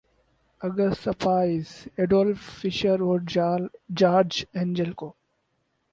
آ gist Spies ‘Adolph Fischer اور George Engel کو